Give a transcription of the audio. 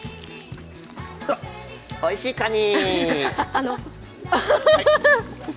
おいしいカニ！